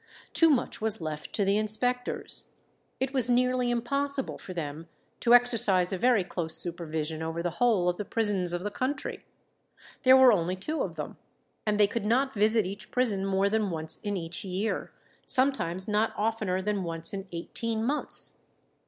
Too much was left to the inspectors. It was nearly impossible for them to exercise a very close supervision over the whole of the prisons of the country. There were only two of them, and they could not visit each prison more than once in each year, sometimes not oftener than once in eighteen months.